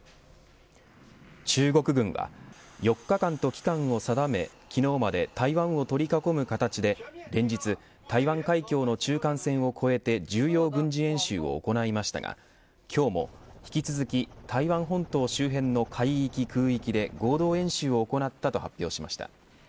中国軍は４日間と期間を定め、昨日まで台湾を取り囲む形で連日台湾海峡の中間線を越えて重要軍事演習を行いましたが今日も引き続き台湾本島周辺の海域、空域で合同演習を行ったと発表しました。